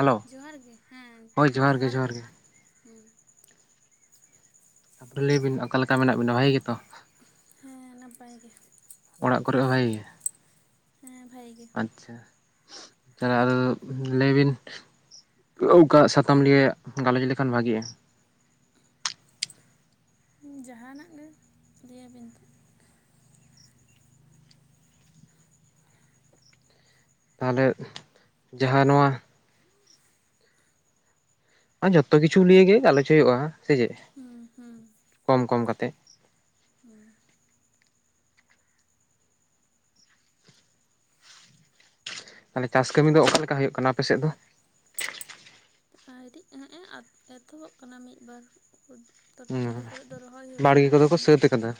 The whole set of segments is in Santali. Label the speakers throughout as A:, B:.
A: ᱦᱮᱞᱳ
B: ᱡᱚᱦᱟᱨ ᱜᱮ ᱦᱮᱸ ᱡᱚᱦᱟᱨ ᱜᱮ ᱦᱮᱸ,
A: ᱛᱟᱯᱚᱨᱮ ᱞᱟᱹᱭ ᱵᱤᱱ ᱚᱠᱟ ᱞᱮᱠᱟ ᱢᱮᱱᱟᱜ ᱵᱤᱱᱟ ᱵᱷᱟᱹᱜᱤ ᱜᱮᱛᱚ?
B: ᱦᱮᱸ ᱱᱟᱯᱟᱭ ᱜᱮ᱾
A: ᱚᱲᱟᱜ ᱠᱚᱨᱮ ᱦᱚᱸ ᱵᱷᱟᱜᱮ ᱜᱮ?
B: ᱦᱮᱸ ᱵᱷᱟᱜᱮ ᱜᱮ ᱾
A: ᱟᱪᱪᱷᱟ ᱾ ᱛᱟᱦᱚᱞᱮ ᱞᱟᱹᱭ ᱵᱤᱱ, ᱚᱠᱟ ᱥᱟᱛᱟᱢ ᱱᱤᱭᱮ ᱜᱟᱞᱚᱪ ᱞᱮᱠᱷᱟᱱ ᱵᱷᱟᱜᱤᱜ-ᱟ᱾
B: ᱡᱟᱦᱟᱱᱟᱜ ᱜᱮ ᱞᱟᱹᱭ ᱟᱵᱤᱱ ᱛᱚ,
A: ᱛᱟᱦᱚᱞᱮ ᱡᱟᱦᱟ ᱱᱚᱣᱟ ᱟᱨ ᱡᱚᱛᱚ ᱠᱤᱪᱷᱩ ᱱᱤᱭᱮ ᱜᱮ ᱜᱟᱞᱚᱪ ᱦᱩᱭᱩᱜ-ᱟ ᱥᱮ ᱪᱮᱫ
B: ᱦᱩᱸ ᱦᱩᱸ
A: ᱠᱚᱢ ᱠᱚᱢ ᱠᱟᱛᱮᱜ᱾
B: [unintelligible]
A: ᱛᱟᱦᱚᱞᱮ ᱪᱟᱥ ᱠᱟᱹᱢᱤ ᱫᱚ ᱚᱠᱟ ᱞᱮᱠᱟ ᱦᱩᱭᱩᱜ ᱠᱟᱱᱟ ᱟᱯᱮ ᱥᱮᱫ ᱫᱚ?
B: ᱟᱣᱨᱤ ᱦᱮᱸ-ᱮ ᱮᱛᱚᱦᱚᱵ ᱟᱠᱟᱱᱟ ᱢᱤᱫ ᱵᱟᱨ᱾ ᱤᱭᱟᱹ ᱠᱚᱨᱮᱜ ᱫᱚ ᱨᱚᱦᱚᱭ ᱦᱩᱭᱩᱜ
A: ᱵᱟᱲᱜᱮ
B: ᱠᱟᱱᱟ,
A: ᱠᱚᱫᱚ
B: ᱟᱫᱚ
A: ᱠᱚ
B: ᱦᱮᱸ
A: ᱥᱟᱹᱛ ᱟᱠᱟᱫᱟ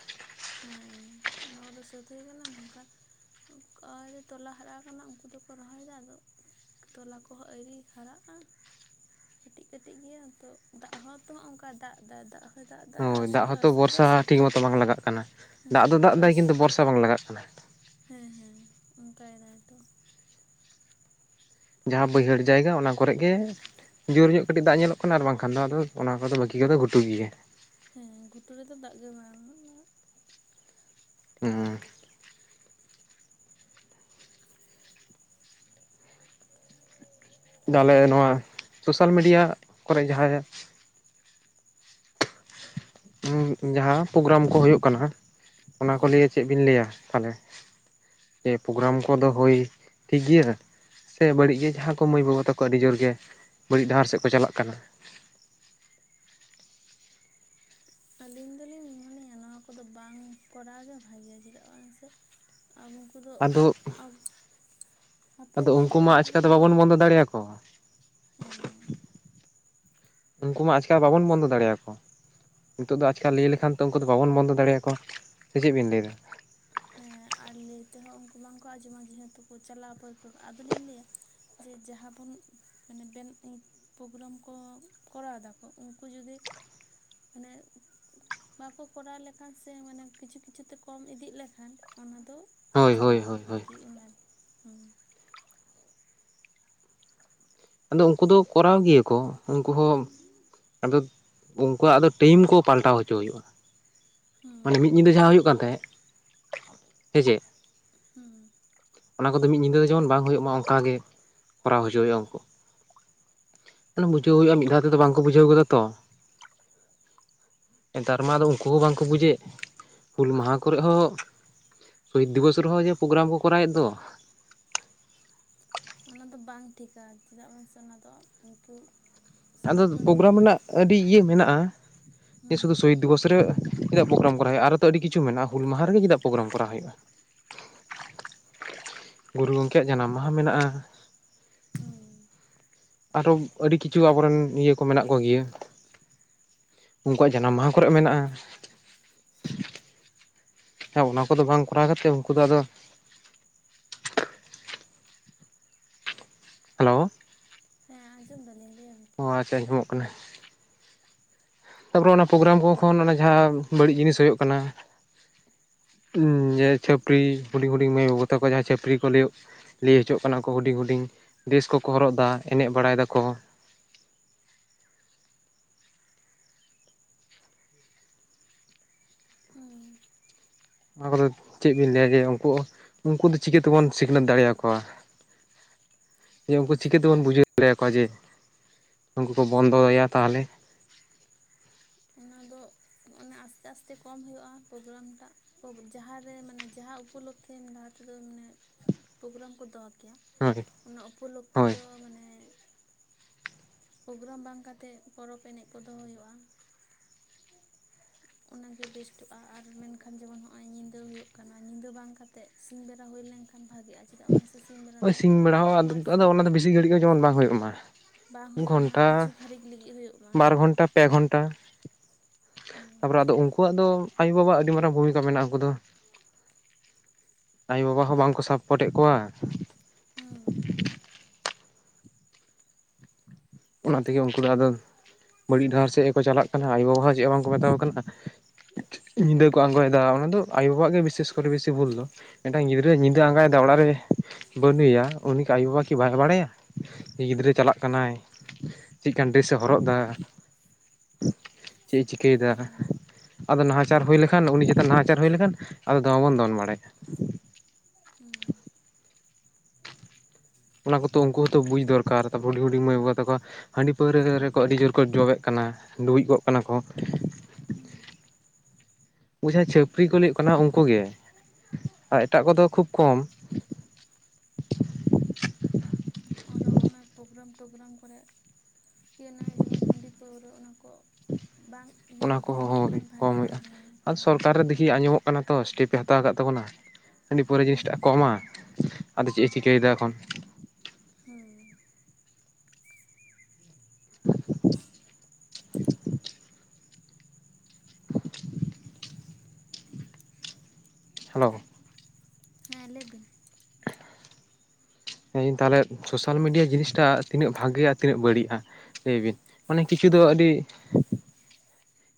B: ᱚᱱᱟ ᱠᱚᱫᱚ ᱥᱟᱹᱛ ᱦᱩᱭ ᱟᱠᱟᱱᱟ ᱢᱮᱱᱠᱷᱟᱱ ᱚᱠᱟᱨᱮ ᱛᱚᱞᱟ ᱦᱟᱨᱟ ᱟᱠᱟᱱᱟ ᱩᱱᱠᱩ ᱫᱚᱠᱚ ᱨᱚᱦᱚᱭ ᱫᱟ, ᱟᱫᱚ ᱛᱚᱞᱟ ᱠᱚᱦᱚᱸ ᱟᱹᱣᱨᱤ ᱦᱟᱨᱟᱜ-ᱟ᱾ ᱠᱟᱹᱴᱤᱡ ᱠᱟᱹᱴᱤᱡ ᱜᱮᱭᱟ ᱛᱚ ᱫᱟᱜ ᱦᱚᱸ ᱛᱚ ᱱᱚᱜ-ᱚ ᱱᱚᱝᱠᱟ ᱫᱟᱜ ᱮᱫᱟᱭ ᱫᱟᱜ ᱦᱚᱭ ᱫᱟᱜ ᱮᱫᱟ
A: ᱦᱳᱭ ᱫᱟᱜ
B: ᱟᱥᱚᱨ ᱦᱚᱸ
A: ᱦᱚᱛᱚ
B: ᱟᱥᱚᱨ ᱮᱫᱟ
A: ᱵᱚᱨᱥᱟ ᱴᱷᱤᱠ
B: ᱥᱮᱛᱚ
A: ᱢᱚᱛᱚ ᱵᱟᱝ ᱞᱟᱜᱟᱜ ᱠᱟᱱᱟ, ᱫᱟᱜ
B: ᱦᱮᱸ
A: ᱫᱚ ᱫᱟᱜ
B: ᱟᱨ
A: ᱮᱫᱟᱭ ᱠᱤᱱᱛᱩ ᱵᱚᱨᱥᱟ ᱵᱟᱝ ᱞᱟᱜᱟᱜ ᱠᱟᱱᱟ ᱾
B: ᱦᱮᱸ ᱦᱮᱸ ᱚᱱᱠᱟᱭ ᱫᱟᱭ ᱛᱚ᱾
A: ᱡᱟᱦᱟᱸ ᱵᱟᱹᱭᱦᱟᱹᱲ ᱡᱟᱭᱜᱟ ᱚᱱᱟ ᱠᱚᱨᱮ ᱜᱮ ᱡᱳᱨ ᱧᱚᱜ ᱠᱟᱹᱴᱤᱡ ᱫᱟᱜ ᱧᱮᱞᱚᱜ ᱠᱟᱱᱟ ᱟᱨ ᱵᱟᱝᱠᱷᱟᱱ ᱫᱚ ᱟᱫᱚ ᱚᱱᱟ ᱠᱚᱫᱚ ᱵᱟᱹᱠᱤ ᱠᱚᱫᱚ ᱜᱷᱩᱴᱩ ᱜᱮᱭᱟ᱾
B: ᱦᱮᱸ ᱜᱷᱩᱴᱩ ᱨᱮᱫᱚ ᱫᱟᱜ ᱜᱮ ᱵᱟᱝ ᱞᱟᱜ
A: [unintelligible] ᱛᱟᱦᱚᱞᱮ ᱱᱚᱣᱟ ᱥᱳᱥᱟᱞ ᱢᱤᱰᱤᱭᱟ ᱠᱚᱨᱮ ᱡᱟᱦᱟᱭ ᱡᱟᱦᱟ ᱯᱨᱳᱜᱨᱟᱢ ᱠᱚ ᱦᱳᱭᱳᱜ ᱠᱟᱱᱟ ᱚᱱᱟ ᱠᱚ
B: ᱦᱮᱸ
A: ᱞᱤᱭᱮ ᱪᱮᱫ ᱵᱤᱱ ᱞᱟᱹᱭᱟ ᱛᱟᱦᱚᱞᱮ? ᱡᱮᱹ ᱯᱨᱳᱜᱨᱟᱢ ᱠᱚᱫᱚ ᱦᱳᱭ ᱴᱷᱤᱠ ᱜᱤᱭᱟ᱾ ᱥᱮ ᱵᱟᱹᱲᱤᱡ ᱜᱮ ᱡᱟᱦᱟᱸ ᱠᱚ ᱢᱟᱹᱭ ᱵᱟᱹᱵᱩ ᱛᱟᱠᱚ ᱟᱹᱰᱤ ᱡᱳᱨ ᱜᱮ ᱵᱟᱹᱲᱤᱡ ᱰᱟᱦᱟᱨ ᱥᱮᱫ ᱠᱚ ᱪᱟᱞᱟᱜ ᱠᱟᱱᱟ?
B: ᱟᱹᱞᱤᱧ ᱫᱚᱞᱤᱧ ᱢᱚᱱᱮᱭᱟ ᱱᱚᱣᱟ ᱠᱚᱫᱚ ᱵᱟᱝ ᱠᱚᱨᱟᱣ ᱜᱮ ᱵᱷᱟᱜᱮᱤᱭᱟ ᱪᱮᱫᱟᱜ ᱵᱟᱝ ᱥᱮ, ᱟᱰᱚ ᱠᱩᱫᱚ
A: ᱟᱫᱚ
B: ᱟᱵᱚ
A: ᱟᱫᱚ ᱩᱱᱠᱩ ᱢᱟ ᱟᱪᱠᱟ ᱫᱚ
B: ᱜᱮ
A: ᱵᱟᱵᱚᱱ ᱵᱚᱱᱫᱚ ᱫᱟᱲᱮᱭᱟ ᱠᱚᱣᱟ᱾
B: ᱦᱮᱸ
A: ᱩᱱᱠᱩ ᱢᱟ ᱟᱪᱠᱟ ᱵᱟᱵᱚᱱ ᱵᱚᱱᱫᱚ ᱫᱟᱲᱮᱭᱟ ᱠᱚᱣᱟ᱾ ᱱᱤᱛᱚᱜ ᱫᱚ ᱟᱪᱠᱟ ᱞᱟᱹᱭ ᱞᱮᱠᱷᱟᱱ ᱛᱚ ᱩᱱᱠᱩ ᱫᱚ ᱵᱟᱵᱚᱱ ᱵᱚᱱᱫᱚ ᱫᱟᱲᱮᱭᱟᱠᱚᱣᱟ, ᱥᱮ ᱪᱮᱫ ᱵᱤᱱ ᱞᱟᱹᱭ ᱫᱟ?
B: ᱦᱮᱸ ᱟᱨ ᱞᱟᱹᱭ ᱛᱮᱦᱚᱸ ᱩᱱᱠᱩ ᱵᱟᱝᱠᱚ ᱟᱸᱡᱚᱢᱟ ᱡᱮᱦᱮᱛᱩ ᱠᱚ ᱪᱟᱞᱟᱣ ᱯᱟᱹᱨᱠᱟᱹᱣ ᱟᱫᱚᱞᱤᱧ ᱞᱟᱹᱭᱟ ᱡᱮ ᱡᱟᱦᱟᱸ ᱵᱚᱱ ᱢᱟᱱᱮ ᱵᱮᱱ ᱯᱨᱳᱜᱨᱟᱢ ᱠᱚ ᱠᱚᱨᱟᱣ ᱫᱟ, ᱩᱱᱠᱩ ᱡᱩᱫᱤ ᱢᱟᱱᱮ ᱵᱟᱠᱚ ᱠᱚᱨᱟᱣ ᱞᱮᱠᱷᱟᱱ ᱥᱮ ᱢᱟᱱᱮ ᱠᱤᱪᱷᱩ ᱠᱤᱪᱷᱩᱛᱮ ᱠᱚᱢ ᱤᱫᱤᱜ ᱞᱮᱠᱷᱟᱱ ᱚᱱᱟᱫᱚ
A: ᱦᱳᱭ ᱦᱳᱭ
B: ᱪᱟᱵᱟᱜᱼᱟ
A: ᱦᱳᱭ ᱦᱳᱭ
B: ᱟᱨᱠᱤ ᱚᱱᱟ ᱦᱩᱸ᱾
A: ᱟᱫᱚ ᱩᱱᱠᱩ ᱫᱚ ᱠᱚᱨᱟᱣ ᱜᱮᱭᱟᱠᱚ ᱩᱱᱠᱩ ᱦᱚᱸ ᱟᱫᱚ ᱩᱱᱠᱩᱣᱟᱜᱫᱚ ᱴᱟᱹᱭᱤᱢ ᱠᱚ ᱯᱟᱞᱴᱟᱣ ᱦᱚᱪᱚ ᱦᱩᱭᱩᱜᱼᱟ᱾ ᱢᱟᱱᱮ ᱢᱤᱫ
B: ᱦᱩᱸ
A: ᱧᱤᱫᱟᱹ ᱡᱟᱦᱟᱸ ᱦᱩᱭᱩᱜ ᱠᱟᱱ ᱛᱟᱦᱮᱸᱜ ᱥᱮᱪᱮᱫ?
B: ᱦᱩᱸ᱾
A: ᱚᱱᱟ ᱠᱚᱫᱚ ᱢᱤᱫ ᱧᱤᱫᱟᱹ ᱫᱚ ᱡᱮᱢᱚᱱ ᱵᱟᱝᱦᱩᱭᱩᱜ ᱢᱟ ᱚᱝᱠᱟ ᱜᱮ ᱠᱚᱨᱟᱣ ᱦᱚᱪᱚ ᱦᱩᱭᱩᱜᱼᱟ ᱩᱱᱠᱩ᱾ ᱛᱚ ᱵᱩᱡᱷᱟᱹᱣ ᱦᱩᱭᱩᱜᱼᱟ ᱢᱤᱫ ᱫᱷᱟᱣᱛᱮᱫᱚ ᱵᱟᱝᱠᱚ ᱵᱩᱡᱟᱹᱣ ᱜᱚᱫᱟ ᱛᱚ᱾ ᱱᱮᱛᱟᱨ ᱢᱟᱫᱚ ᱩᱱᱠᱩ ᱦᱚᱸ ᱵᱟᱝᱠᱚ ᱵᱩᱡᱮᱫ ᱦᱩᱞ ᱢᱟᱦᱟ ᱠᱚᱨᱮ ᱦᱚᱸ ᱥᱚᱦᱤᱛ ᱫᱤᱵᱚᱥ ᱨᱮᱦᱚᱸ ᱡᱮ ᱯᱨᱳᱜᱨᱟᱢ ᱠᱚ ᱠᱚᱨᱟᱣᱮᱫ ᱫᱚ᱾
B: ᱚᱱᱟ ᱫᱚ ᱵᱟᱝ ᱴᱷᱤᱠᱟ ᱪᱮᱫᱟᱜ ᱢᱟᱥᱮ ᱚᱱᱟᱫᱚ ᱩᱱᱠᱩ
A: ᱟᱫᱚ
B: ᱥᱤᱫᱩ ᱠᱟᱹᱱᱩ
A: ᱯᱨᱳᱜᱨᱟᱢ ᱨᱮᱱᱟᱜ ᱟᱹᱰᱤ ᱤᱭᱟᱹ ᱢᱮᱱᱟᱜᱼᱟ,
B: ᱦᱩᱸ
A: ᱥᱩᱫᱩ ᱥᱚᱦᱤᱫ ᱫᱤᱵᱚᱥ ᱨᱮ ᱪᱮᱫᱟᱜ ᱯᱨᱳᱜᱨ ᱠᱚᱟᱣ ᱦᱩᱭᱩ-ᱟ, ᱟᱨᱳ ᱟᱹᱰᱤ ᱠᱤᱪᱷᱩ ᱢᱮᱱᱟᱜᱼᱟ ᱦᱩᱞ ᱢᱟᱦᱟ ᱨᱮᱜᱮ ᱪᱮᱫᱟᱜ ᱯᱨᱳᱜᱨᱟᱢ ᱠᱚᱨᱟᱣ ᱦᱩᱭᱩᱜ-ᱟ? ᱜᱩᱨᱩ ᱜᱚᱝᱠᱮᱭᱟᱜ ᱡᱟᱱᱟᱢ ᱢᱟᱦᱟ ᱢᱮᱱᱟᱜᱼᱟ,
B: ᱦᱩᱸ᱾
A: ᱟᱨᱚ ᱟᱹᱰᱤ ᱠᱤᱪᱷᱩ ᱟᱵᱚᱨᱮᱱ ᱤᱭᱟᱹ ᱠᱚ ᱢᱮᱱᱟᱜ ᱠᱚᱜᱮᱭᱟ᱾ ᱩᱱᱠᱩᱣᱟᱜ ᱡᱟᱱᱟᱢ ᱢᱟᱦᱟ ᱠᱚᱨᱮᱜ ᱢᱮᱱᱟᱜᱼᱟ᱾ ᱦᱮᱸ ᱚᱱᱟ ᱠᱚᱫᱚ ᱵᱟᱝ ᱠᱚᱨᱟᱣ ᱠᱟᱛᱮᱜ ᱩᱱᱠᱩ ᱫᱚ ᱟᱫᱚ ᱦᱮᱞᱳ᱾
B: ᱦᱮᱸ ᱟᱸᱡᱚᱢ ᱫᱟᱞᱤᱧ ᱞᱟᱹᱭᱟ
A: ᱚ ᱟᱪᱪᱷᱟ ᱟᱸᱡᱚᱢᱚᱜ ᱠᱟᱱᱟ᱾ ᱛᱟᱨᱯᱚᱨᱮ ᱚᱱᱟ ᱯᱨᱳᱜᱨᱟᱢ ᱠᱚ ᱠᱷᱚᱱ ᱚᱱᱟ ᱡᱟᱦᱟᱸ ᱵᱟᱹᱲᱤᱡ ᱡᱤᱱᱤᱥ ᱦᱩᱭᱩᱜ ᱠᱟᱱᱟ, ᱦᱩᱸ ᱡᱮ ᱪᱟᱹᱯᱟᱹᱨᱤ ᱦᱩᱰᱤᱧ ᱦᱩᱰᱤᱧ ᱢᱟᱹᱭ ᱵᱟᱹᱵᱩ ᱛᱟᱠᱚ ᱡᱟᱦᱟᱸᱭ ᱪᱷᱟᱹᱯᱟᱹᱨᱤ ᱠᱚ ᱞᱟᱹᱭᱚᱜ ᱞᱟᱹᱭ ᱦᱚᱪᱚᱜ ᱠᱟᱱᱟ ᱠᱚ ᱦᱩᱰᱤᱧ ᱦᱩᱰᱤᱧ ᱰᱮᱥ ᱠᱚᱠᱚ ᱦᱚᱨᱚᱜ ᱮᱫᱟ ᱮᱱᱮᱡ ᱵᱟᱲᱟᱭ ᱫᱟᱠᱚ,
B: ᱦᱩᱸ᱾
A: ᱚᱱᱟ ᱠᱚᱫᱚ ᱪᱮᱫ ᱵᱤᱱ ᱞᱟᱹᱭᱟ ᱡᱮ ᱩᱱᱠᱩ ᱩᱱᱠᱩ ᱫᱚ ᱪᱤᱠᱟᱹ ᱛᱮᱵᱚᱱ ᱥᱤᱠᱷᱱᱟᱹᱛ ᱫᱟᱲᱮᱭᱟᱠᱚᱣᱟ? [unintelligible] ᱡᱮ ᱩᱱᱠᱩ ᱪᱤᱠᱟᱹ ᱛᱮᱵᱚᱱ
B: ᱥᱤᱠᱷᱱᱟᱹᱛ
A: ᱵᱩᱡᱷᱟᱹᱣ ᱫᱟᱲᱮᱭᱟᱠᱚᱣᱟ ᱡᱮ ᱩᱱᱠᱩ ᱠᱚ ᱵᱚᱱᱫᱚᱭᱟ ᱛᱟᱦᱚᱞᱮ᱾
B: ᱚᱱᱟ ᱫᱚ ᱚᱱᱮ ᱟᱥᱛᱮ ᱟᱥᱛᱮ ᱠᱚᱢ ᱦᱩᱭᱩᱜᱼᱟ ᱴ, ᱯᱨᱳᱜᱨᱟᱢ ᱴᱟᱜ ᱡᱟᱦᱟᱸ ᱨᱮ ᱢᱟᱱᱮ ᱡᱟᱦᱟᱸ ᱩᱯᱚᱞᱚᱠᱚ [unintelligible] ᱞᱟᱦᱟ ᱛᱮᱫᱚ ᱢᱟᱱᱮ ᱯᱨᱳᱜᱨᱟᱢ ᱠᱚ ᱫᱚᱦᱚ ᱠᱮᱭᱟ,
A: ᱦᱳᱭ
B: ᱚᱱᱟ ᱩᱯᱚᱞᱚᱠᱠᱷᱮ
A: ᱦᱳᱭ
B: ᱫᱚ ᱢᱟᱱᱮ ᱯᱨᱳᱜᱨᱟᱢ ᱵᱟᱝ ᱠᱟᱛᱮᱫ ᱯᱚᱨᱚᱵᱽ ᱮᱱᱮᱡ ᱠᱚ ᱫᱚᱦᱚ ᱦᱩᱭᱩᱜᱼᱟ᱾ ᱚᱱᱟᱜ ᱜᱮ ᱵᱮᱥᱴᱚᱜᱼᱟ ᱟᱨ ᱢᱮᱱᱠᱷᱟᱱ ᱡᱮᱢᱚᱱ ᱱᱚᱜᱼᱚᱭ ᱧᱤᱫᱟᱹ ᱦᱩᱭᱩᱜ ᱠᱟᱱᱟ ᱧᱤᱫᱟᱹ ᱵᱟᱝ ᱠᱟᱛᱮᱜ, ᱥᱤᱝ ᱵᱮᱲᱟ ᱦᱩᱭ ᱞᱮᱱᱠᱷᱟᱱ ᱵᱷᱟᱜᱤᱮᱜᱼᱟ, ᱪᱮᱫᱟᱜ ᱵᱟᱝ ᱥᱮ ᱥᱤᱧ ᱵᱮᱲᱟ ᱫᱚ ᱢᱟᱨᱥᱟᱞ
A: ᱰᱤ ᱜᱷᱟᱹᱲᱤ ᱦᱚ ᱡᱮᱢᱚᱱ ᱵᱟᱝ ᱦᱩᱭᱩᱜ ᱢᱟ᱾
B: ᱵᱟᱝ ᱦᱩᱭᱩᱜ ᱢᱟ
A: ᱜᱷᱚᱱᱴᱟ
B: ᱠᱤᱪᱷᱩ ᱜᱷᱟᱹᱲᱤᱪ ᱞᱟᱹᱜᱤᱫ ᱦᱩᱭᱩᱜ
A: ᱵᱟᱨ
B: ᱢᱟᱦᱮᱸ᱾
A: ᱜᱷᱚᱱᱴᱟ ᱯᱮ ᱜᱷᱚᱱᱴᱟ
B: ᱦᱩᱸ
A: ᱛᱟᱯᱚᱨᱮ ᱟᱫᱚ ᱩᱱᱠᱩᱣᱟᱜ ᱫᱚ ᱟᱭᱩ ᱵᱟᱵᱟᱣᱟᱜ ᱟᱹᱰᱤ ᱢᱟᱨᱟᱝ ᱵᱷᱩᱢᱤᱠᱟ ᱫᱚ ᱢᱮᱱᱟᱜᱼᱟ, ᱩᱱᱠᱩ ᱫᱚ ᱟᱭᱳᱼᱵᱟᱵᱟ ᱦᱚᱸ ᱵᱟᱝᱠᱚ ᱥᱟᱯᱚᱴᱮᱫ ᱠᱚᱣᱟ,
B: ᱦᱩᱸ
A: ᱚᱱᱟ ᱛᱮᱜᱮ ᱩᱱᱠᱩ ᱫᱚ ᱟᱫᱚ ᱵᱟᱹᱲᱤᱡ ᱰᱟᱦᱟᱨ ᱥᱮᱫ ᱜᱮᱠᱚ ᱪᱟᱞᱟᱜ ᱠᱟᱱᱟ ᱟᱭᱳ ᱵᱟᱵᱟ ᱦᱚᱸ ᱪᱮᱫ ᱦᱚᱸ ᱵᱟᱝᱠᱚ ᱢᱮᱛᱟ ᱟᱠᱚ ᱠᱟᱱᱟ᱾ ᱧᱤᱫᱟᱹ ᱠᱚ ᱟᱸᱜᱚᱭᱫᱟ ᱚᱱᱟ ᱫᱚ ᱟᱭᱳ ᱵᱟᱵᱟᱣᱟᱜ ᱜᱮ ᱵᱤᱥᱮᱥ ᱠᱚᱨᱮ ᱵᱮᱥᱤ ᱵᱷᱩᱞ ᱫᱚ᱾ ᱢᱤᱫᱴᱟᱱ ᱜᱤᱫᱽᱨᱟᱹ ᱧᱤᱫᱟᱹ ᱟᱸᱜᱟᱭ ᱫᱟ ᱚᱲᱟᱜ ᱨᱮ ᱵᱟᱹᱱᱩᱭᱟ ᱩᱱᱤ ᱟᱭᱳᱵᱟᱵᱟ ᱠᱤ ᱵᱟᱭ ᱵᱟᱲᱟᱭᱟ᱾ ᱩᱱᱤ ᱜᱤᱫᱽᱨᱟᱹ ᱪᱟᱞᱟᱜ ᱠᱟᱱᱟᱭ ᱪᱮᱜ ᱠᱟᱱ ᱰᱮᱥ ᱮ ᱦᱚᱨᱚᱜ ᱫᱟᱭ᱾ ᱪᱮᱜ ᱮ ᱪᱤᱠᱟᱹᱭ ᱫᱟ᱾
B: ᱦᱩᱸ
A: ᱟᱫᱚ ᱱᱟᱦᱟ ᱪᱟᱨ ᱦᱩᱭ ᱞᱮᱠᱷᱟᱱ ᱩᱱᱤ ᱪᱮᱛᱟᱱ ᱱᱟᱦᱟ ᱪᱟᱨ ᱦᱩᱭ ᱞᱮᱠᱷᱟᱱ ᱟᱫᱚ ᱫᱚᱢᱮ ᱵᱚᱱ ᱫᱚᱱ ᱵᱟᱲᱟᱭᱟ᱾
B: ᱦᱩ, [inaudible]
A: ᱚᱱᱟ ᱠᱚᱫᱚ ᱩᱱᱠᱩ ᱦᱚᱸᱛᱚ ᱵᱩᱡᱽ ᱫᱚᱨᱠᱟᱨ ᱛᱟᱯᱚ ᱦᱩᱰᱤ ᱦᱩᱰᱤ ᱢᱟᱹᱭ ᱵᱟᱹᱵᱟ ᱛᱟᱠᱚ᱾ ᱦᱟᱺᱰᱤ ᱯᱟᱹᱣᱨᱟᱹ ᱨᱮᱠᱚ ᱟᱹᱰᱤ ᱡᱳᱨ ᱠᱚ ᱡᱚᱵᱮ ᱠᱟᱱᱟ ᱰᱩᱵᱩᱡ ᱠᱚᱜ ᱠᱟᱱᱟ ᱠᱚ᱾
B: ᱦᱩᱸ,
A: [unintelligible] ᱪᱟᱹᱯᱨᱤ ᱠᱚ ᱞᱮᱭᱚᱜ ᱠᱟᱱᱟ ᱩᱱᱠᱩ ᱜᱮ ᱟᱨ ᱮᱴᱟᱜ ᱠᱚᱫᱚ ᱠᱷᱩᱵ ᱠᱚᱢ᱾
B: ᱟᱨᱚ ᱚᱱᱮ ᱯᱨᱳᱜᱨᱟᱢ ᱴᱳᱜᱨᱟᱢ ᱠᱚᱨᱮᱜ᱾ ᱠᱤᱭᱟᱱᱟᱭ ᱡᱮᱢᱚᱱ ᱦᱟᱺᱰᱤ ᱯᱟᱹᱣᱨᱟᱹ ᱚᱱᱟ ᱠᱚ ᱵᱟᱝ? ᱤᱭᱟᱹ
A: ᱚᱱᱟ ᱠᱚ
B: ᱟᱹᱠᱷᱨᱤᱧ
A: ᱦᱚᱦᱚ
B: ᱞᱮᱠᱷᱟᱱ
A: ᱠᱚᱢ
B: ᱵᱷᱟᱜᱮᱜᱼᱟ
A: ᱦᱩᱭᱩᱜᱼᱟ
B: ᱦᱮᱸ
A: ᱟᱨ ᱥᱚᱨᱠᱟᱨ ᱨᱮ
B: ᱠᱚᱢ
A: ᱫᱤᱠᱷᱤ
B: ᱦᱩᱭᱩᱜᱼᱟ
A: ᱟᱸᱡᱚᱢᱚᱜ ᱠᱟᱱᱟ᱾ ᱛᱚ ᱥᱴᱮᱯᱮ ᱦᱟᱛᱟᱣ ᱠᱟᱫ ᱛᱟᱵᱚᱱᱟ ᱦᱟᱺᱰᱤ ᱯᱟᱹᱭᱨᱟᱹ ᱡᱤᱱᱤᱥ
B: ᱦᱩᱸ
A: ᱴᱟᱜ ᱮ ᱠᱚᱢᱟ ᱟᱫᱚ ᱪᱮᱫ ᱮ ᱪᱤᱠᱟᱹᱭᱮᱫᱟ ᱮᱠᱷᱚᱱ?
B: ᱦᱩᱸ,
A: [unintelligible] ᱦᱮᱞᱳ,
B: ᱦᱮᱸ ᱞᱟᱹᱭᱵᱤᱱ?
A: [unintelligible] ᱦᱮᱸᱧ ᱛᱟᱦᱚᱞᱮ ᱥᱳᱥᱟᱞ ᱢᱤᱰᱤᱭᱟ ᱡᱤᱱᱤᱥᱴᱟ ᱛᱤᱱᱟᱹᱜ ᱵᱷᱟᱜᱮ ᱟᱨ ᱛᱤᱱᱟᱹᱜ ᱵᱟᱹᱲᱤᱡᱼᱟ? ᱞᱟᱹᱭ ᱵᱤᱱ ᱢᱟᱱᱮ ᱠᱤᱪᱷᱩ ᱫᱚ ᱟᱹᱰᱤ,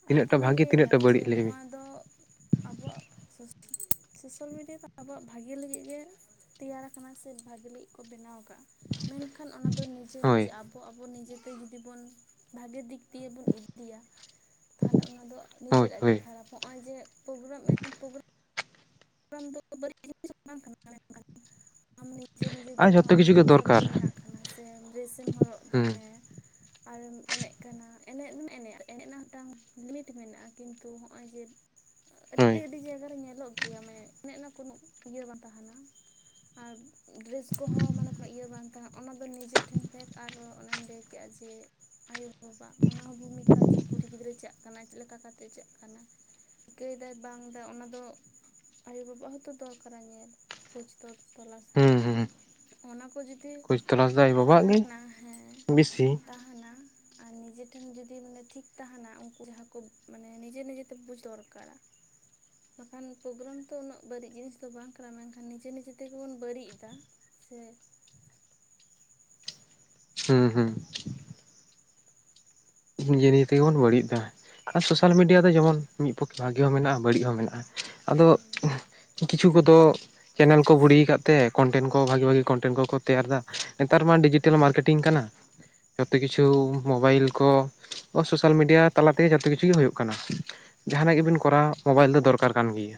A: ᱛᱤᱱᱟᱹᱜ ᱴᱟ
B: ᱟᱫᱚᱞᱤᱧ
A: ᱵᱷᱟᱜᱤ
B: ᱞᱟᱹᱭ
A: ᱛᱤᱱᱟᱹᱜ
B: ᱮᱫᱟ
A: ᱴᱟ
B: ᱡᱮ
A: ᱵᱟᱹᱲᱤᱡ ᱞᱟᱹᱭ ᱵᱤᱱ
B: ᱱᱚᱣᱟ ᱫᱚ, ᱟᱵᱚᱣᱟᱜ ᱥᱚᱥᱚ ᱥᱳᱥᱟᱞ ᱢᱤᱰᱤᱭᱟ ᱫᱚ ᱟᱵᱚᱣᱟᱜ ᱵᱷᱟᱜᱮ ᱞᱟᱹᱜᱤᱫ ᱜᱮ, ᱛᱮᱭᱟᱨᱟᱠᱟᱱᱟ ᱥᱮ ᱵᱷᱟᱜᱮ ᱞᱟᱹᱜᱤᱫ ᱠᱚ ᱵᱮᱱᱟᱣ ᱠᱟᱜ-ᱟ ᱢᱮᱱᱠᱷᱟᱱ ᱚᱱᱟ ᱫᱚ ᱱᱤᱡᱮ
A: ᱦᱳᱭ
B: ᱱᱤᱡᱮ ᱟᱵᱚ, ᱛᱚ ᱟᱵᱚ ᱱᱤᱡᱮᱛᱮ ᱡᱩᱫᱤ ᱵᱚᱱ ᱵᱷᱟᱜᱮ ᱫᱤᱠ ᱫᱤᱭᱮ ᱵᱚᱱ ᱤᱫᱤᱭᱟ᱾ ᱛᱟᱦᱚᱞᱮ ᱚᱱᱟ ᱫᱚ
A: ᱦᱳᱭ
B: ᱱᱤᱡᱮᱨᱟᱜ ᱜᱮ
A: ᱦᱳᱭ
B: ᱠᱷᱟᱨᱟᱯ ᱱᱚᱜ-ᱚᱭ ᱡᱮ ᱯᱚᱜᱨᱟᱢ ᱮ ᱯᱚᱜᱨᱚ [inaudible] ᱟᱢ ᱱᱤᱡᱮ ᱱᱤᱡᱮ
A: ᱟᱨ
B: ᱛᱮᱜᱮ
A: ᱡᱷᱚᱛᱚ
B: ᱱᱚᱜᱼᱚᱭ
A: ᱠᱤᱪᱷᱩ ᱜᱮ
B: ᱪᱷᱟᱹᱯᱨᱤ
A: ᱫᱚᱨᱠᱟᱨ
B: ᱢᱮᱱᱟᱜ ᱠᱟᱱᱟ ᱥᱮ ᱰᱮᱨᱮᱥ ᱮᱢ ᱦᱚᱨᱚᱜ ᱮᱫᱟ
A: ᱦᱩᱸ
B: ᱦᱮᱸ? ᱟᱨᱮᱢ ᱮᱱᱮᱡ ᱠᱟᱱᱟ ᱮᱱᱮᱡ ᱢᱟ ᱮᱱᱮᱡᱼᱟ ᱮᱱᱮᱡ ᱨᱮᱱᱟᱜ ᱢᱤᱫᱴᱟᱝ ᱞᱤᱢᱤᱴ ᱢᱮᱱᱟᱜᱼᱟ ᱠᱤᱱᱛᱩ ᱦᱚᱸᱜᱼᱚᱭ ᱡᱮ,
A: ᱦᱳᱭ
B: ᱟᱹᱰᱤ ᱟᱹᱰᱤ ᱡᱟᱭᱜᱟ ᱨᱮ ᱧᱮᱞᱚᱜ ᱜᱮᱭᱟ ᱢᱮ ᱮᱱᱮᱡ ᱨᱮᱱᱟᱜ ᱠᱳᱱᱳ ᱤᱭᱟᱹ ᱵᱟᱝ ᱛᱟᱦᱮᱱᱟ᱾ ᱟᱨ ᱰᱨᱮᱥ ᱠᱚᱦᱚᱸ ᱢᱟᱱᱮ ᱠᱚ ᱤᱭᱟᱹ ᱵᱟᱝ ᱛᱟᱦᱮᱸ ᱚᱱᱟ ᱫᱚ ᱱᱤᱡᱮ ᱴᱷᱮᱱ ᱯᱷᱮᱴ ᱟᱨ ᱚᱱᱮᱢ ᱞᱮᱭ ᱠᱮᱜᱼᱟ ᱡᱮ, ᱟᱭᱳᱼᱵᱟᱵᱟ ᱚᱱᱟ ᱦᱚᱸ ᱵᱷᱩᱢᱤᱠᱟ ᱡᱮ ᱠᱩᱲᱤ ᱜᱤᱫᱽᱨᱟᱹ ᱪᱟᱜ ᱠᱟᱱᱟᱭ ᱪᱮᱫ ᱞᱮᱠᱟ ᱠᱟᱛᱮᱜ ᱪᱟᱜ ᱠᱟᱱᱟ᱾ ᱪᱤᱠᱟᱹᱭ ᱫᱟᱭ ᱵᱟᱝ ᱫᱟᱭ ᱚᱱᱟ ᱫᱚ, ᱟᱭᱳᱼᱵᱟᱵᱟᱣᱟᱜ ᱦᱚᱸᱛᱚ ᱫᱚᱨᱠᱟᱨᱟ ᱧᱮᱞ ᱠᱷᱚᱡᱽ ᱫᱚ ᱛᱚᱞᱟᱥ ᱫᱚ᱾
A: ᱦᱩᱸ ᱦᱩᱸ
B: ᱚᱱᱟ ᱠᱚ ᱡᱩᱫᱤ
A: ᱠᱷᱳᱡᱽ ᱛᱚᱞᱟᱥ ᱫᱚ ᱟᱡ ᱵᱟᱵᱟᱣᱟᱜ ᱜᱮ
B: ᱛᱟᱦᱮᱱᱟ ᱦᱮᱸ
A: ᱵᱮᱥᱤ
B: ᱛᱟᱦᱮᱱᱟ᱾ ᱟᱨ ᱱᱤᱡᱮ ᱴᱷᱮᱱ ᱡᱚᱫᱤ ᱢᱟᱱᱮ ᱴᱷᱤᱠ ᱛᱟᱦᱮᱱᱟ ᱩᱱᱠᱩ ᱡᱟᱦᱟᱸ ᱠᱚ ᱢᱟᱱᱮ ᱱᱤᱡᱮ ᱱᱤᱡᱮ ᱛᱮ ᱵᱩᱡ ᱫᱚᱨᱠᱟᱨᱟ᱾ ᱵᱟᱠᱷᱟᱱ, ᱯᱨᱳᱜᱨᱟᱢ ᱛᱚ ᱩᱱᱟᱹᱜ ᱵᱟᱹᱲᱤᱡ ᱡᱤᱱᱤᱥ ᱫᱚ ᱵᱟᱝ ᱠᱟᱱᱟ ᱢᱮᱱᱠᱷᱟᱱ ᱱᱤᱡᱮ ᱱᱤᱡᱮ ᱛᱮᱜᱮ ᱵᱚᱱ ᱵᱟᱹᱲᱤᱡ ᱮᱫᱟ ᱥᱮ?
A: ᱦᱩᱸ ᱦᱩᱸ᱾ ᱱᱤᱡᱮ ᱱᱤᱡᱮ ᱛᱮᱜᱮ ᱵᱚᱱ ᱵᱟᱹᱲᱤᱡ ᱫᱟ ᱟᱨ ᱥᱳᱥᱟᱞ
B: ᱦᱩᱸ
A: ᱢᱤᱰᱤᱭᱟ ᱫᱚ ᱡᱮᱢᱚᱱ ᱢᱤᱫ ᱯᱚᱠᱷᱮ ᱵᱷᱟᱜᱮ ᱦᱚᱸ ᱢᱮᱱᱟᱜᱼᱟ ᱵᱟᱹᱲᱤᱡ ᱦᱚᱸ ᱢᱮᱱᱟᱜᱼᱟ᱾ ᱟᱫᱚ
B: ᱦᱩᱸ
A: ᱠᱤᱪᱷᱩ ᱠᱚᱫᱚ, ᱪᱮᱱᱮᱞ ᱠᱚ ᱵᱷᱩᱲᱤ ᱠᱟᱫ ᱛᱮ ᱠᱚᱱᱴᱮᱱᱴ ᱠᱚ ᱵᱷᱟᱜᱤ ᱵᱷᱟᱜᱤ ᱠᱚᱱᱴᱮᱱᱴ ᱠᱚ ᱛᱮᱭᱟᱨ ᱮᱫᱟ ᱱᱮᱛᱟᱨ ᱢᱟ ᱰᱤᱡᱤᱴᱮᱞ ᱢᱟᱨᱠᱮᱴᱤᱝ ᱠᱟᱱᱟ᱾ ᱡᱚᱛᱚ ᱠᱤᱪᱷᱩ ᱢᱳᱵᱟᱭᱤᱞ ᱠᱚ, ᱥᱳᱥᱟᱞ ᱢᱤᱰᱤᱭᱟ ᱛᱟᱞᱟ ᱛᱮᱜᱮ ᱡᱚᱛᱚ ᱠᱤᱪᱷᱩ ᱜᱮ ᱦᱩᱭᱩᱜ ᱠᱟᱱᱟ᱾
B: ᱦᱩᱸ
A: ᱡᱟᱦᱟᱱᱟᱜ ᱜᱮᱵᱤᱱ ᱠᱚᱨᱟᱣ, ᱢᱳᱵᱟᱭᱤᱞ ᱫᱚ ᱫᱚᱨᱠᱟᱨ ᱠᱟᱱ ᱜᱮᱭᱟ᱾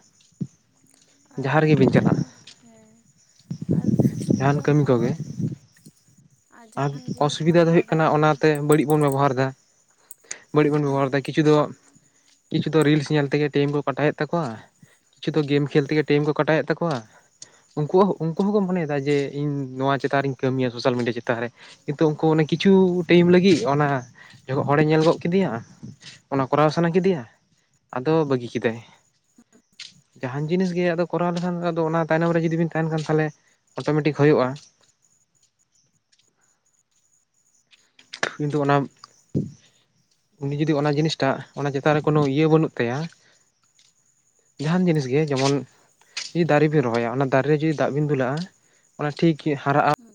B: ᱟᱨ
A: ᱡᱟᱦᱟᱸ
B: ᱵᱟᱨ
A: ᱨᱮᱜᱮ
B: ᱦᱚ
A: ᱵᱤᱱ
B: ᱡᱟᱦᱟᱱ
A: ᱪᱟᱞᱟᱜᱼᱟ
B: ᱦᱮᱸ ᱟᱨ
A: ᱡᱟᱦᱟᱱ
B: ᱥᱩᱵᱤᱫᱷᱟ
A: ᱠᱟᱹᱢᱤ ᱠᱚᱜᱮ
B: ᱦᱚᱸ ᱾
A: ᱟᱨ ᱚᱥᱩᱵᱤᱫᱷᱟ ᱫᱚ ᱦᱳᱭᱳᱜ ᱠᱟᱱᱟ
B: ᱵᱟᱰᱟᱭᱟ
A: ᱚᱱᱟ
B: ᱦᱟᱸᱜ
A: ᱛᱮ ᱵᱟᱹᱲᱤᱡ ᱵᱚᱱ ᱵᱮᱵᱚᱦᱟᱨ ᱮᱫᱟ ᱾ ᱵᱟᱹᱲᱤᱡ ᱵᱚᱱ ᱵᱮᱵᱚᱦᱟᱨ
B: ᱦᱮᱸ
A: ᱮᱫᱟ ᱠᱤᱪᱷᱩ ᱫᱚ ᱠᱤᱪᱷᱩ ᱫᱚ ᱨᱤᱞᱥ ᱧᱮᱞ ᱛᱮᱜᱮ ᱴᱟᱭᱤᱢ ᱠᱚ ᱯᱟᱴᱟᱣᱮᱫ ᱛᱟᱠᱚᱣᱟ ᱾ ᱠᱤᱪᱷᱩ ᱫᱚ
B: ᱦᱩᱸ
A: ᱜᱮᱢ ᱠᱷᱮᱞ ᱛᱮᱜᱮ ᱴᱟᱭᱤᱢ ᱠᱚ ᱠᱟᱴᱟᱣᱮᱫ ᱛᱟᱠᱚᱣᱟ ᱾ ᱩᱱᱠᱩ ᱩᱱᱠᱩ ᱦᱚᱸᱠᱚ ᱢᱚᱱᱮᱫᱟ ᱡᱮ ᱤᱧ ᱱᱚᱣᱟ ᱪᱮᱛᱟᱱ ᱨᱤᱧ ᱠᱟᱹᱢᱤᱭᱟ ᱥᱳᱥᱟᱞ ᱢᱤᱰᱤᱭᱟ ᱪᱮ ᱛᱟᱱ ᱨᱮ ᱠᱤᱱᱛᱩ ᱩᱱᱠᱩ ᱠᱤᱪᱷᱩ ᱴᱟᱭᱤᱢ ᱞᱟᱹᱜᱤᱫ ᱚᱱᱟ ᱡᱚᱠᱷᱚᱱ ᱦᱚᱲᱮ ᱧᱮᱞ ᱜᱚᱫ ᱠᱮᱫᱮᱭᱟ ᱚᱱᱟ ᱠᱚᱨᱟᱣ ᱥᱟᱱᱟ ᱠᱮᱫᱮᱭᱟ ᱟᱫᱚ ᱵᱟᱹᱜᱤ ᱠᱮᱫᱟᱭ ᱾ ᱡᱟᱦᱟᱱ ᱡᱤᱱᱤᱥ ᱜᱮ ᱟᱫᱚ ᱠᱚᱨᱟᱣ ᱞᱮᱠᱷᱟᱱ ᱟᱫᱚ ᱚᱱᱟ ᱛᱟᱭᱱᱚᱢ ᱨᱮ ᱡᱩᱫᱤ ᱵᱤᱱ ᱛᱟᱦᱮᱱ ᱠᱷᱟᱱ ᱛᱟᱦᱚᱞᱮ ᱚᱴᱚᱢᱮᱴᱤᱠ ᱦᱩᱭᱩᱜ-ᱟ ᱾ ᱠᱤᱱᱛᱩ ᱚᱱᱟ ᱩᱱᱤ ᱡᱩᱫᱤ ᱚᱱᱟ ᱡᱤᱱᱤᱥ ᱴᱟᱜ ᱚᱱᱟ ᱪᱮᱛᱟᱱ ᱨᱮ ᱠᱳᱱᱳ ᱤᱭᱟᱹ ᱵᱟᱹᱱᱩᱜ ᱛᱟᱭᱟ ᱡᱟᱦᱟᱱ ᱡᱤᱱᱤᱥ ᱜᱮ ᱡᱮᱢᱚᱱ ᱡᱩᱫᱤ ᱫᱟᱨᱮ ᱵᱤᱱ ᱨᱚᱦᱚᱭᱟ ᱚᱱᱟ ᱫᱟᱨᱮ ᱨᱮ ᱡᱩᱫᱤ ᱫᱟᱜ ᱵᱤᱱ ᱫᱩᱞᱟᱜ-ᱟ ᱾ ᱚᱱᱟ ᱴᱷᱤᱠ ᱦᱟᱨᱟᱜ-ᱟ ᱾
B: ᱦᱩᱸ